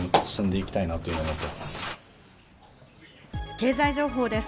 経済情報です。